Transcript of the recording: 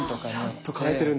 ちゃんと変えてるんですか？